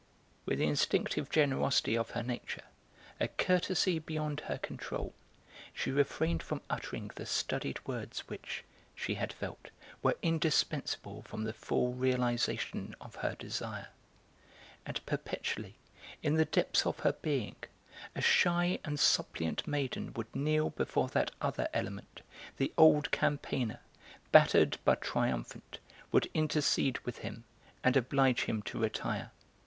With the instinctive generosity of her nature, a courtesy beyond her control, she refrained from uttering the studied words which, she had felt, were indispensable for the full realisation of her desire. And perpetually, in the depths of her being, a shy and suppliant maiden would kneel before that other element, the old campaigner, battered but triumphant, would intercede with him and oblige him to retire.